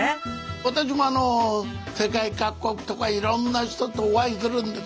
私もあの世界各国とかいろんな人とお会いするんです